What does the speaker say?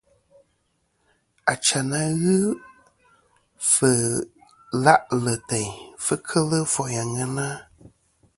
Achayn a ghɨ fɨ la'lɨ teyn fɨ kel foyn àŋena.